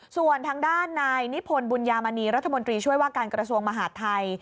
ส่วนทางด้านนายนิพนธ์บุญญามณีรัฐมนตรีช่วยว่าการกระทรวงมหาดไทย